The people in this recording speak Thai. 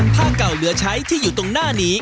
ผ้าเก่าเหลือใช้ที่อยู่ตรงหน้านี้